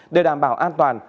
để đảm bảo an toàn